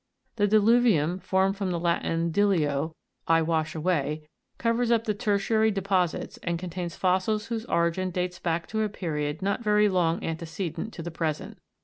34. The DILU'VIUM (formed from the Latin, diluo, I wash away) co vers up the tertiary depo sits, and contains fossils whose origin dates back to a period not very long antecedent to the present.